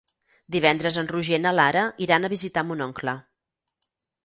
Divendres en Roger i na Lara iran a visitar mon oncle.